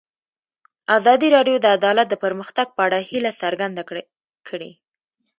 ازادي راډیو د عدالت د پرمختګ په اړه هیله څرګنده کړې.